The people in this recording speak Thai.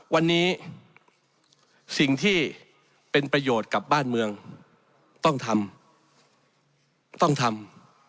วันนี้สิ่งที่เป็นประโยชน์กับบ้านเมืองต้องทำต้องทำ